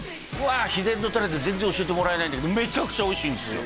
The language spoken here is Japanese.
秘伝のタレで全然教えてもらえないんだけどめちゃくちゃおいしいんですよ